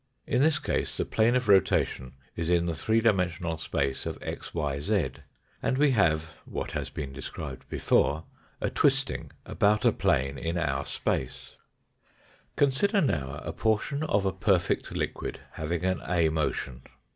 In this case the plane of rotation is in the three dimensional space of xyz, and we have what has 224 THE FOURTH DIMENSION been described before a twisting about a plane in our space. Consider now a portion of a perfect liquid having an A motion.